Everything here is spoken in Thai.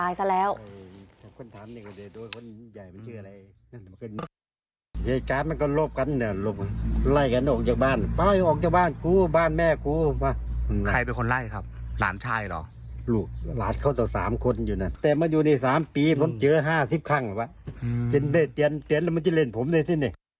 ยายมันเชื่ออะไร